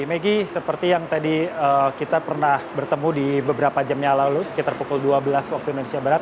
maggie seperti yang tadi kita pernah bertemu di beberapa jamnya lalu sekitar pukul dua belas waktu indonesia barat